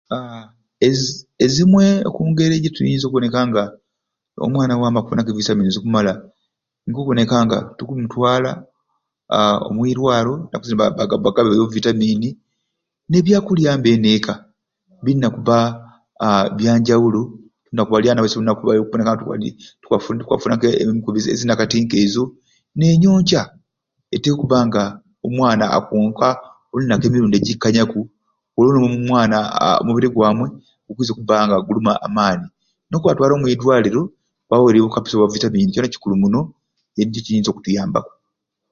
Aaa ezi ezimwe okungeri jituyinza okuboneka nga omwana wamu akufunaku e vitamini ezikumala nikwo kuboneka nga tukumutwala aaa omwirwaro nakuzini baga baggaba o vitamini ne byakulya mbe eni eka birina kuba aa byanjawulo n'obba olyawo eni ewaiswe tuyinza okufuna emikubi zaiswe ka e nakati k'ezo n'enyonca eteeka okubba nga omwana akwonka buli lunaku emirundi egikkanyaku olwo ni omwana aaa omubiri gwamwe gukwiza okubba aa nga gulimu amaani n'okubatwala omwidwaliro babaweerye obu kapusi bwa vitamini kyoona kikulu muno edi jekiyinza okutuyambaku